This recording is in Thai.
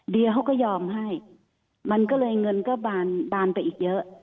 เดียเขาก็ยอมให้มันก็เลยเงินก็บานไปอีกเยอะ